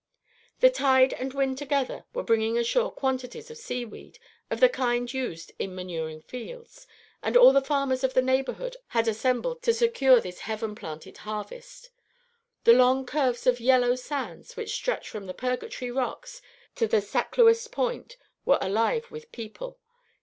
The tide and the wind together were bringing ashore quantities of seaweed of the kind used in manuring fields, and all the farmers of the neighborhood had assembled to secure this heaven planted harvest. The long curves of yellow sands which stretch from the Purgatory rocks to Sacluest Point were alive with people.